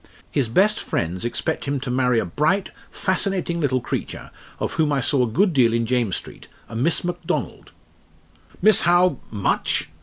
His best friends expect him to marry a bright, fascinating little creature of whom I saw a good deal in James Street a Miss Macdonald." "Miss how much?"